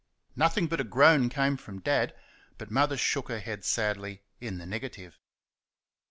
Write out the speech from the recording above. Nothing but a groan came from Dad, but Mother shook her head sadly in the negative.